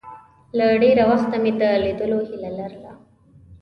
له ډېره وخته مې د لیدلو هیله لرله.